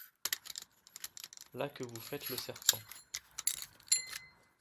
là que vous faites le serpent !…